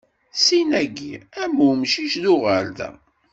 Sin-agi, am umcic d uɣerda.